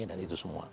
dan itu semua